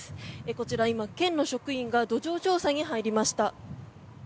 こちら、県の職員が土壌調査に入りました。